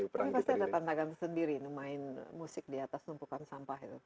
ini pasti ada tantangan sendiri main musik di atas lumpukan sampah itu